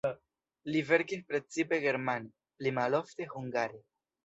Li verkis precipe germane, pli malofte hungare.